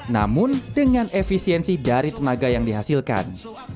namun dengan efisiensi dari tenaga yang dihasilkan